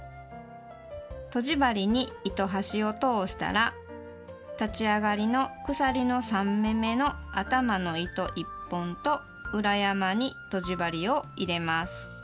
とじ針に糸端を通したら立ち上がりの鎖の３目めの頭の糸１本と裏山にとじ針を入れます。